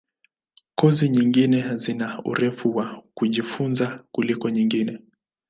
Kozi nyingine zina urefu wa kujifunza kuliko nyingine.